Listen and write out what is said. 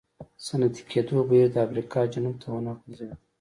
صنعتي کېدو بهیر د افریقا جنوب ته ونه غځېد.